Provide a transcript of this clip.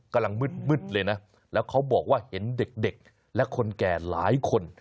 กำลังมืดเลยนะแล้วเขาบอกว่าเห็นเด็กและคนแก่หลายคน